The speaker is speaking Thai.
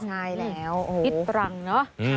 ใช่แล้วที่ตรังเนอะ